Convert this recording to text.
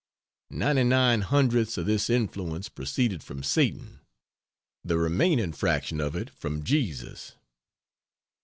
Ninety nine hundredths of this influence proceeded from Satan, the remaining fraction of it from Jesus.